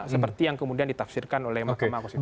seperti yang kemudian ditafsirkan oleh mahkamah konstitusi